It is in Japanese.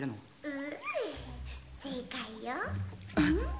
うん正解よんっ？